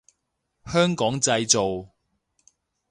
香港製造